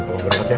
gede banget ya